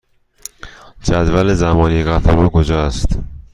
جدول زمانی قطارها کجا است؟